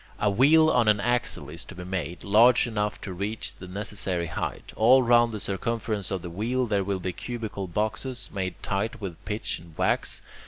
A wheel on an axle is to be made, large enough to reach the necessary height. All round the circumference of the wheel there will be cubical boxes, made tight with pitch and wax.